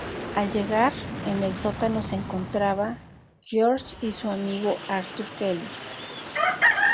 Al llegar, en el sótano se encontraba George y su amigo Arthur Kelly.